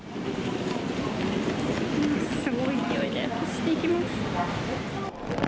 すごい勢いで走っていきます。